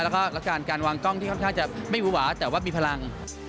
แล้วก็การวางกล้องที่ค่อนข้างจะไม่หูหวาแต่ว่ามีพลัง